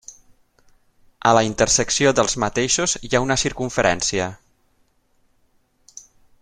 A la intersecció dels mateixos hi ha una circumferència.